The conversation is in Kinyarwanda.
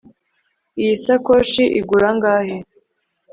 Iyi sakoshi igura angahe